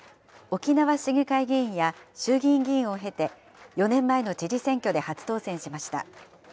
沖縄市議会議員や衆議院議員を経て、４年前の知事選挙で初当選しました。